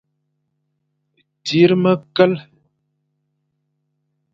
Tsir mekel.